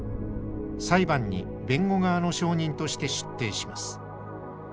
裁判に弁護側の証人として出廷します。